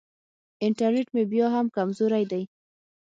انټرنېټ مې بیا هم کمزوری دی.